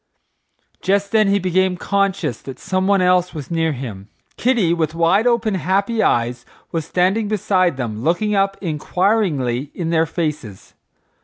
Just then he became conscious that someone else was near him. Kitty, with wide open, happy eyes, was standing beside them looking up inquiringly in their faces.